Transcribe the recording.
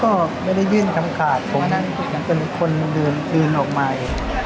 ก็ไม่ได้ยื่นคำขาดผมเป็นคนดื่มนอกไม้